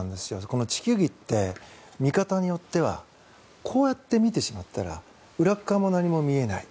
この地球儀って見方によってはこうやって見てしまったら裏側も何も見えない。